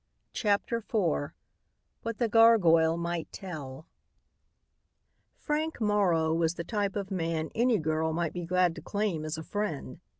CHAPTER IV WHAT THE GARGOYLE MIGHT TELL Frank Morrow was the type of man any girl might be glad to claim as a friend.